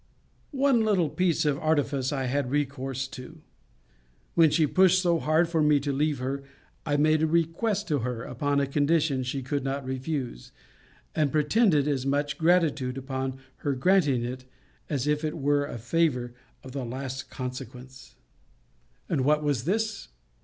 One little piece of artifice I had recourse to: When she pushed so hard for me to leave her, I made a request to her, upon a condition she could not refuse; and pretended as much gratitude upon her granting it, as if it were a favour of the last consequence. And what was this?